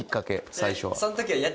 最初は。